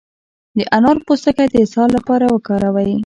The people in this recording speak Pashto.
د انار پوستکی د اسهال لپاره وکاروئ